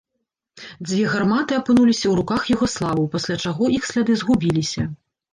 Дзве гарматы апынуліся ў руках югаславаў, пасля чаго іх сляды згубіліся.